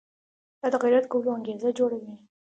دا د غیرت کولو انګېزه جوړوي.